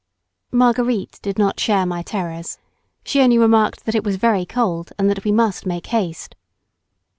Marguerite did not share my terrors. She only remarked that it was very cold and that we must make haste.